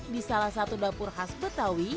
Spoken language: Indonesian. di salah satu dapur khas betawi